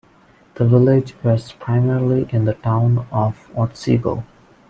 The village rests primarily in the town of Otsego.